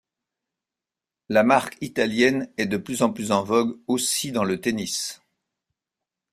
La marque italienne est de plus en plus en vogue aussi dans le tennis.